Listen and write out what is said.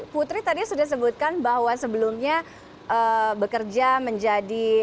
putri tadi sudah disebutkan bahwa sebelumnya bekerja menjadi